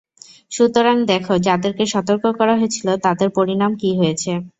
সুতরাং দেখ যাদেরকে সতর্ক করা হয়েছিল তাদের পরিণাম কি হয়েছে?